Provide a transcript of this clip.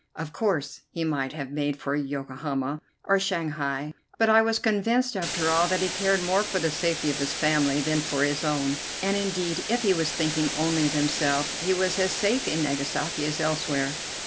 Of course, he might have made for Yokohama or Shanghai, but I was convinced, after all, that he cared more for the safety of his family than for his own, and indeed, if he was thinking only of himself, he was as safe in Nagasaki as elsewhere.